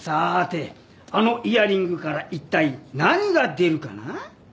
あのイヤリングから一体何が出るかな？